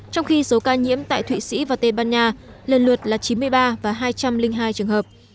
trong khi số ca nhiễm tại thụy sĩ và tây ban nha lần lượt là chín mươi ba và hai trăm linh hai trường hợp